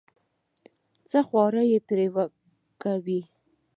څه خواري پرې کوې.